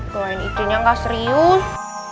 tuh ini idinya gak serius